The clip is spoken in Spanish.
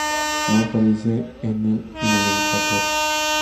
No aparece en el nomenclátor.